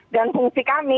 dan fungsi kami